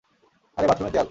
আরে বাথরুমের দেয়াল।